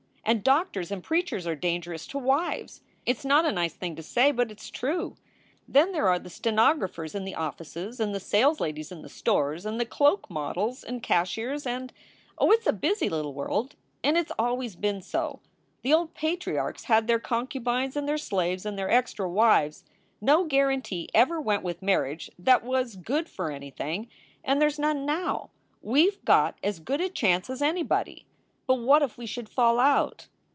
And doctors and preachers are dangerous to wives. It s not a nice thing to say, but it s true. Then there are the ste nographers in the offices, and the salesladies in the stores, and the cloak models and cashiers and Oh, it s a busy little world and it s always been so. The old patriarchs had their concubines and their slaves and their extra wives. No guaranty ever went with marriage that was good for any thing, and there s none now. We ve got as good a chance as anybody." "But what if we should fall out?